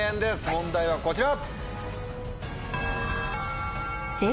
問題はこちら！